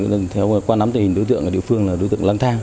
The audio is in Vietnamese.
đối tượng là đối tượng lăng thang